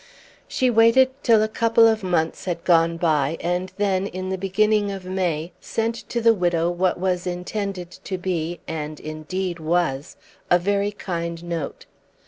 She waited till a couple of months had gone by, and then, in the beginning of May, sent to the widow what was intended to be, and indeed was, a very kind note.